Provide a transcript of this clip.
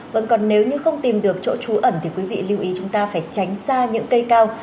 vâng còn nếu như không tìm được chỗ trú ẩn thì quý vị lưu ý chúng ta phải tránh xa những cây cao